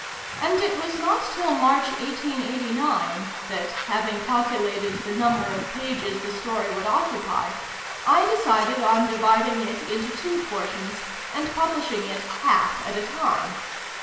And it was not till March, 1889, that, having calcu lated the number of pages the story would occupy, I decided on dividing it into two portions, and publish ing it half at a time.